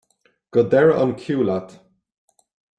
Go deireadh an chiú leat!